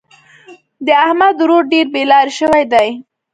د احمد ورور ډېر بې لارې شوی دی.